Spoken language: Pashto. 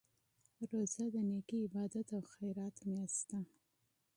روژه د نېکۍ، عبادت او خیرات میاشت ده.